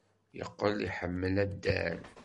Yeqqel iḥemmel addal.